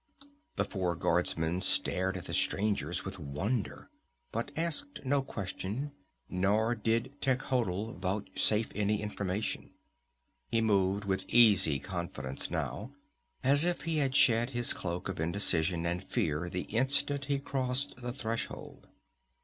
The four guardsmen stared at the strangers with wonder, but asked no question, nor did Techotl vouchsafe any information. He moved with easy confidence now, as if he had shed his cloak of indecision and fear the instant he crossed the threshold.